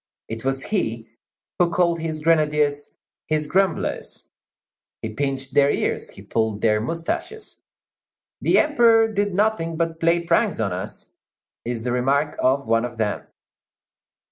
It was he who called his grenadiers "his grumblers"; he pinched their ears; he pulled their moustaches. "The Emperor did nothing but play pranks on us," is the remark of one of them.